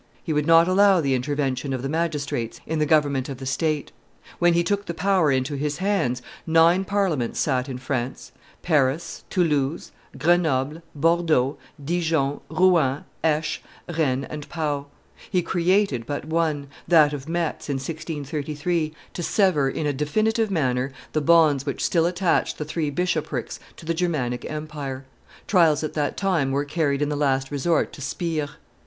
He would not allow the intervention of the magistrates in the government of the state. When he took the power into his hands, nine parliaments sat in France Paris, Toulouse, Grenoble, Bordeaux, Dijon, Rouen, Aix, Rennes, and Pau: he created but one, that of Metz, in 1633, to severe in a definitive manner the bonds which still attached the three bishoprics to the Germanic empire. Trials at that time were carried in the last resort to Spires.